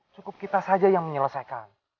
cukup kita saja yang menyelesaikan